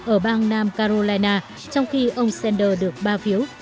ở bang nam carolina trong khi ông sanders được ba phiếu